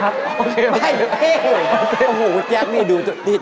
ฉันต้องหาคำลักษณ์ครับ